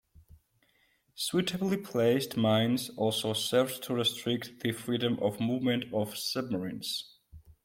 Suitably placed mines also served to restrict the freedom of movement of submarines.